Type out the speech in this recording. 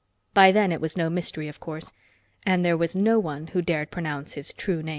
By then it was no mystery, of course. And there was no one who dared pronounce his true name.